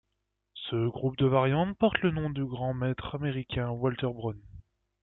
Ce groupe de variantes porte le nom du grand maître américain Walter Browne.